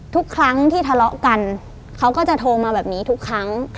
ทุกครั้งที่ทะเลาะกันเขาก็จะโทรมาแบบนี้ทุกครั้ง